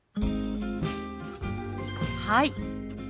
「はい」